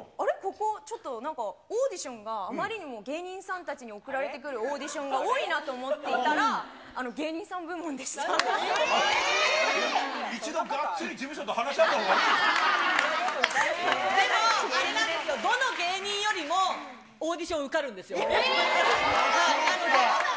ここ、ちょっとなんか、オーディションがあまりにも芸人さんたちに送られてくるオーディションが多いなと思っていたら、一度がっつり事務所と話し合でも、あれなんですよ、どの芸人よりもオーディション受かるんですよ。